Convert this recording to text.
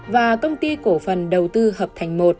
và công ty cổ phần đầu tư hợp thành một